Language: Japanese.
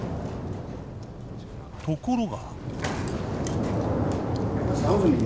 ところが。